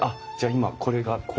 今これがこう。